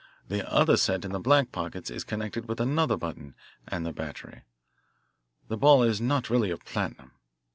The other set in the black pockets is connected with another button and the battery. This ball is not really of platinum.